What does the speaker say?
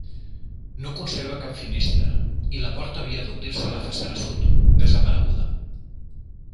No conserva cap finestra i la porta havia d'obrir-se a la façana sud, desapareguda.